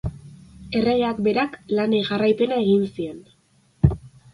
Erregeak berak lanei jarraipena egin zien.